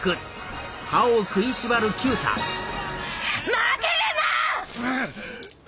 負けるな！